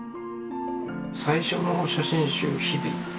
最初の写真集「日々」